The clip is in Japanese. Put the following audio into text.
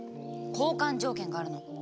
交換条件があるの。